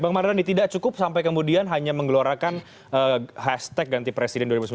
bang mardhani tidak cukup sampai kemudian hanya menggelorakan hashtag ganti presiden dua ribu sembilan belas